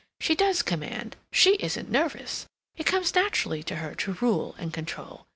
She does command, she isn't nervous; it comes naturally to her to rule and control.